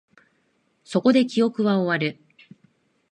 そこで、記憶は終わる